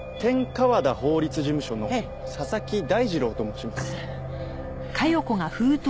河田法律事務所の佐々木大次郎と申します。